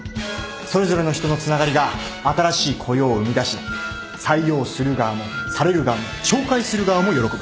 それぞれの人のつながりが新しい雇用を生み出し採用する側もされる側も紹介する側も喜ぶ